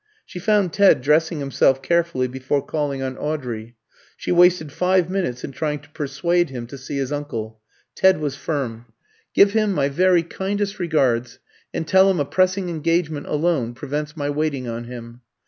She found Ted dressing himself carefully before calling on Audrey. She wasted five minutes in trying to persuade him to see his uncle. Ted was firm. "Give him my very kindest regards, and tell him a pressing engagement alone prevents my waiting on him."